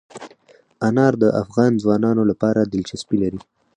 انار د افغان ځوانانو لپاره دلچسپي لري.